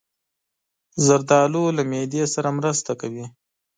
زردالو له معدې سره مرسته کوي.